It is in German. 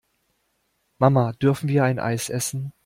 Mama, dürfen wir ein Eis essen?